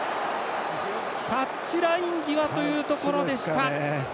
タッチライン際というところでした。